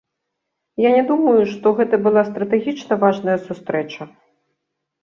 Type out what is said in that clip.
Я не думаю, што гэта была стратэгічна важная сустрэча.